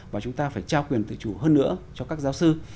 và chúng ta phải trao quyền tự chủ hơn nữa cho các giáo sư